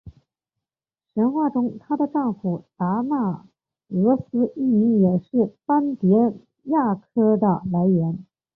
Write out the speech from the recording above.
神话中她的丈夫达那俄斯一名也是斑蝶亚科的来源。